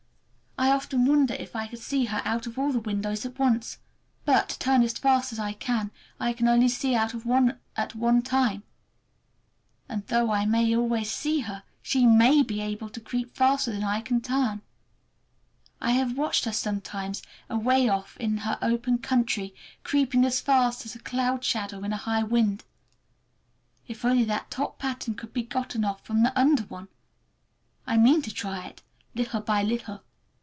I often wonder if I could see her out of all the windows at once. But, turn as fast as I can, I can only see out of one at one time. And though I always see her she may be able to creep faster than I can turn! I have watched her sometimes away off in the open country, creeping as fast as a cloud shadow in a high wind. If only that top pattern could be gotten off from the under one! I mean to try it, little by little.